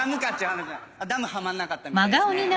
あっダムはまんなかったみたいですね。